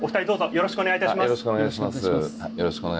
よろしくお願いします。